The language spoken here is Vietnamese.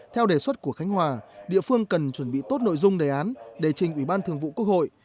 theo đề xuất của khánh hòa địa phương cần chuẩn bị tốt nội dung đề án để trình ủy ban thường vụ quốc hội